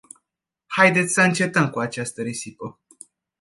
Haideți să încetăm cu această risipă!